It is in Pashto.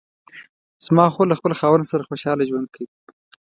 زما خور له خپل خاوند سره خوشحاله ژوند کوي